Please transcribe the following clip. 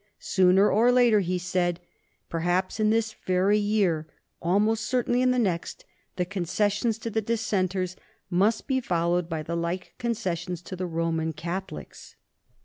"Sooner or later," he said, "perhaps in this very year, almost certainly in the next, the concessions to the Dissenters must be followed by the like concessions to the Roman Catholics."